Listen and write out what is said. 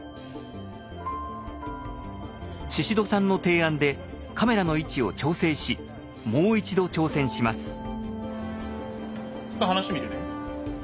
猪戸さんの提案でカメラの位置を調整しもう一度挑戦します。